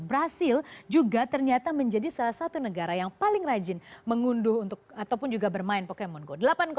brazil juga ternyata menjadi salah satu negara yang paling rajin mengunduh ataupun juga bermain pokemon go